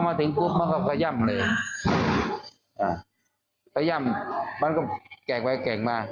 พอมาถึงกรุ๊ปมันก็กระย่ำเลยกระย่ำมันก็แกล้งไปแกล้งมา